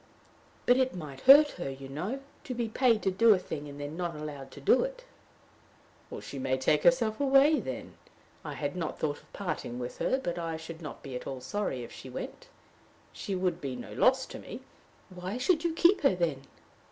"But it might hurt her, you know to be paid to do a thing and then not allowed to do it." "She may take herself away, then. I had not thought of parting with her, but I should not be at all sorry if she went. She would be no loss to me." "Why should you keep her, then?"